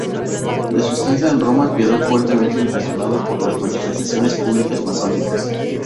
De su estancia en Roma quedó fuertemente impresionado por las manifestaciones públicas masónicas.